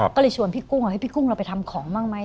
ก็เลยชวนพี่กุ้งพี่กุ้งเราไปทำของบ้างไหม